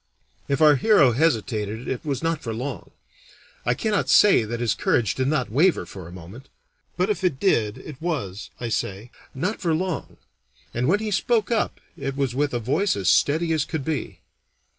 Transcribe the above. If our hero hesitated it was not for long. I cannot say that his courage did not waver for a moment; but if it did, it was, I say, not for long, and when he spoke up it was with a voice as steady as could be.